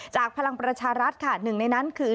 พลังประชารัฐค่ะหนึ่งในนั้นคือ